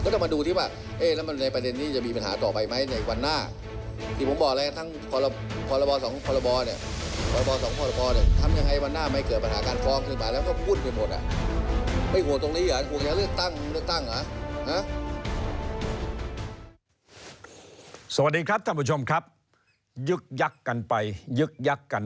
สวัสดีครับท่านผู้ชมพิวเตอร์สวัสดีครับท่านผู้ชมพิวเตอร์